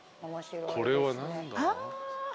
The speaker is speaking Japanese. これは何だ？